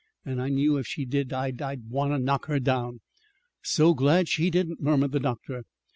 And I knew if she did I'd I'd want to knock her down." "So glad she didn't!" murmured the doctor.